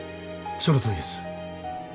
そのとおりです。